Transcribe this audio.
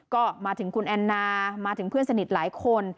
ก็มาถึงคุณแอนนามาถึงเพื่อนสนิทหลายคน